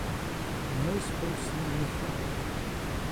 Měli spolu syna Michaela.